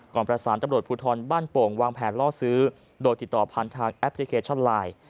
ประสานตำรวจภูทรบ้านโป่งวางแผนล่อซื้อโดยติดต่อผ่านทางแอปพลิเคชันไลน์